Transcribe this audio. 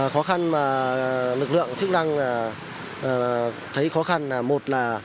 khó khăn mà lực lượng chức năng thấy khó khăn là một là